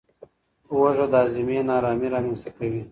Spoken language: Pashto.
هوږه د هاضمې نارامي رامنځته کوي.